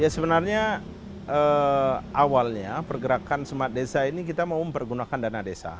sebenarnya awalnya pergerakan smart desa ini kita mau mempergunakan dana desa